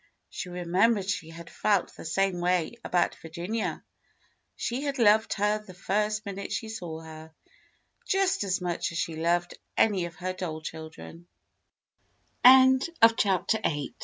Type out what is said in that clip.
She remembered she had felt the same way about Virginia. She had loved her the first minute she saw her, just as much as she loved any of her d